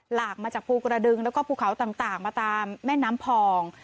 หลากมาจากภูกระดึงแล้วก็ภูเขาต่างมาตามแม่น้ำพอง